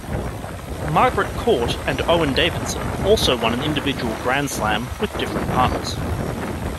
Margaret Court and Owen Davidson also won an individual "Grand Slam" with different partners.